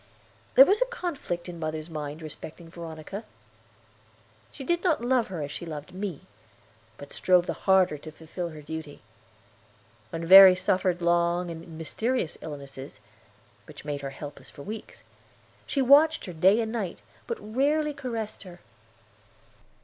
There was a conflict in mother's mind respecting Veronica. She did not love her as she loved me; but strove the harder to fulfill her duty. When Verry suffered long and mysterious illnesses, which made her helpless for weeks, she watched her day and night, but rarely caressed her.